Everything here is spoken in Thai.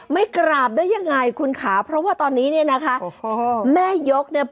ไม่กราบได้ยังไงคุณค่ะเพราะว่าตอนนี้เนี่ยนะคะโอ้โหแม่ยกเนี่ย